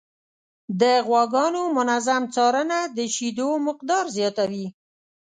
د غواګانو منظم څارنه د شیدو مقدار زیاتوي.